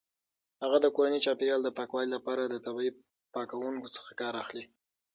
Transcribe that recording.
هغې د کورني چاپیریال د پاکوالي لپاره د طبیعي پاکونکو څخه کار اخلي.